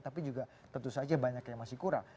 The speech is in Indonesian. tapi juga tentu saja banyak yang masih kurang